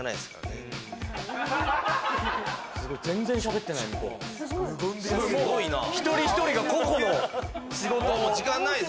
すごいな！